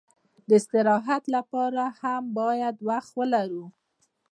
د استراحت لپاره هم باید وخت ولرو.